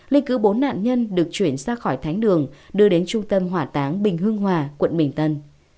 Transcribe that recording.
linh cứu bốn nạn nhân được chuyển ra khỏi thánh đường đưa đến trung tâm hỏa táng bình hương hòa quận bình tân